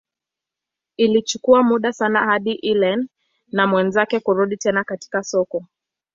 Ilichukua muda sana hadi Ellen na mwenzake kurudi tena katika soko.